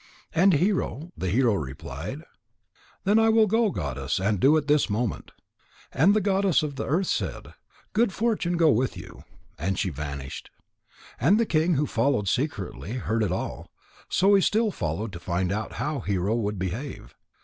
And Hero, the hero, replied: "Then I will go, Goddess, and do it this moment." And the Goddess of the Earth said: "Good fortune go with you," and she vanished. And the king, who had followed secretly, heard it all. So he still followed to find out how Hero would behave.